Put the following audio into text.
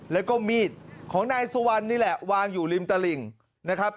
แล้วก็มีดของนายสุวรรณนี่แหละวางอยู่ริมตลิ่งนะครับ